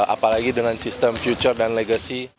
apalagi dengan sistem future dan legacy